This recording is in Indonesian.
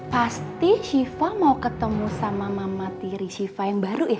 pasti syifa mau ketemu sama mama tiri syifa yang baru ya